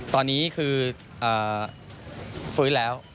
ตอนนี้คือฟื้นแล้ว